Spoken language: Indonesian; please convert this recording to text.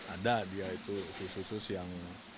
ada dia itu susus susus yang